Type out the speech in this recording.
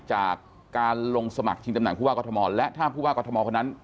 จากการลงสมัครชิงตำแหน่งผู้ว่ากรทมและถ้าผู้ว่ากรทมคนนั้น